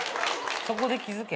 そこで気付け。